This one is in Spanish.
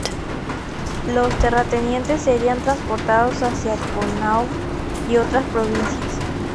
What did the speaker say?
Los terratenientes serían transportados hacia Connaught y a otras provincias.